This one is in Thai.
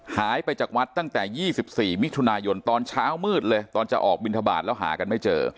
หายไปจากวัดตั้งแต่๒๔มิถุนายนตอนเช้ามืดเลยตอนจะออกบินทบาทแล้วหากันไม่เจอ